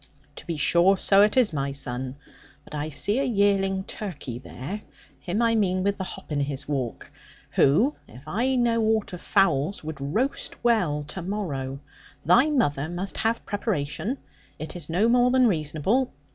'To be sure, so it is, my son. But I see a yearling turkey there, him I mean with the hop in his walk, who (if I know aught of fowls) would roast well to morrow. Thy mother must have preparation: it is no more than reasonable.